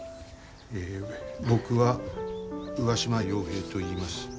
えー、僕は上嶋陽平といいます。